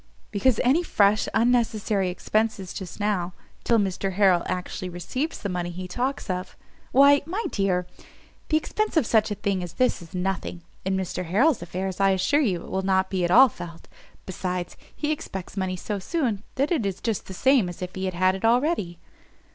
"Because any fresh unnecessary expences just now, till Mr Harrel actually receives the money he talks of " "Why, my dear, the expence of such a thing as this is nothing; in Mr Harrel's affairs I assure you it will not be at all felt. Besides, he expects money so soon, that it is just the same as if he had it already."